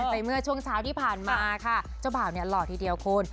ไปเมื่อช่วงเช้าที่ผ่านมาค่ะเจ้าบ่าวเนี่ยหล่อทีเดียวคุณ